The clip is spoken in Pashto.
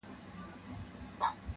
o جوړه انګورو څه پیاله ستایمه,